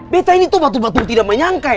betta ini tuh batul batul tidak menyangkai